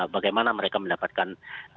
bagaimana mereka mendapatkan